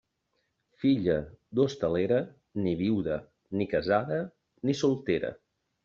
Filla d'hostalera, ni viuda, ni casada, ni soltera.